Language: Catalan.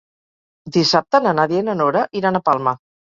Dissabte na Nàdia i na Nora iran a Palma.